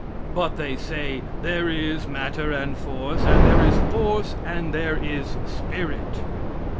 But, they say, "there is matter and force, and there is force and there is spirit."